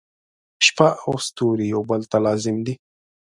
• شپه او ستوري یو بل ته لازم دي.